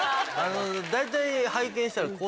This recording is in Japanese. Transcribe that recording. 大体拝見したら。